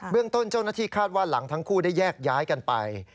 เรื่องต้นเจ้าหน้าที่คาดว่าหลังทั้งคู่ได้แยกย้ายกันไป